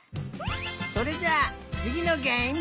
それじゃあつぎのげえむ！